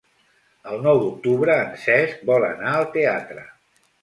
El nou d'octubre en Cesc vol anar al teatre.